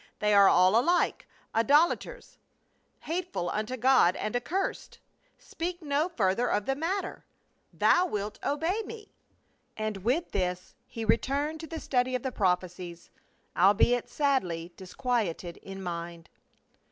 "They are all alike idolaters, hateful unto God and accursed. Speak no further of the matter. Thou wilt obey me." And THE ROSE OF LEBANON. 73 with this he returned to the study of the prophecies, albeit sadly disquieted in mind.